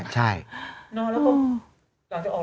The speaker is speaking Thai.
ไม่ดรเจมส์ที่ดู